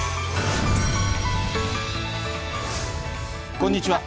こんにちは。